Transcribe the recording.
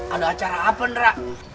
ada acara apa nera